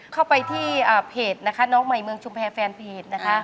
เข้าไปที่เพจนะคะน้องใหม่เมืองชุมแพรแฟนเพจนะคะ